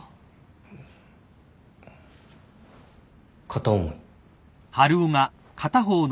片思い。